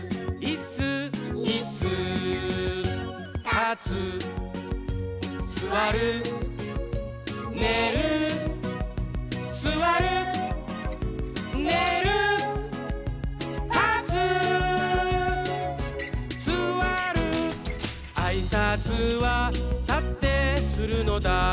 「たつすわる」「ねるすわる」「ねるたつすわる」「あいさつはたってするのだ」